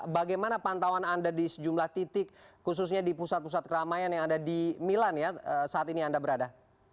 bagaimana pantauan anda di sejumlah titik khususnya di pusat pusat keramaian yang ada di milan ya saat ini anda berada